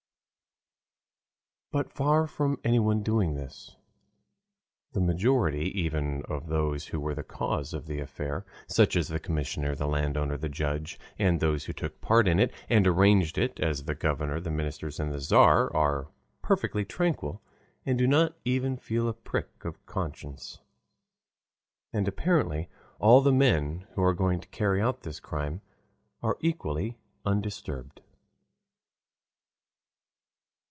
But far from anyone doing this, the majority, even of those who were the cause of the affair, such as the commissioner, the landowner, the judge, and those who took part in it and arranged it, as the governor, the ministers, and the Tzar, are perfectly tranquil and do not even feel a prick of conscience. And apparently all the men who are going to carry out this crime are equally undisturbed.